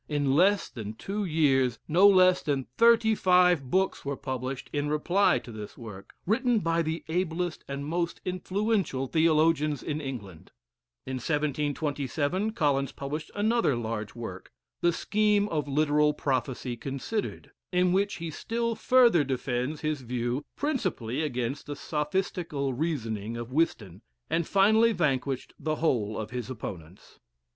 In less than two years no less than thirty five books were published in reply to this work, written by the ablest and most influential theologians in England. In 1727 Collins published another large work, "The Scheme of Literal Prophecy Considered," in which he still further defends his view principally against the sophistical reasoning of Whiston, and finally vanquished the whole of his opponents.